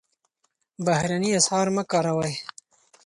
بهرني اسعار مه کاروئ.